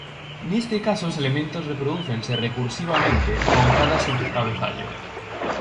Neste caso os elementos reprodúcense recursivamente con cada subcabezallo.